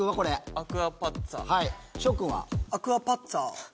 アクアパッツァー。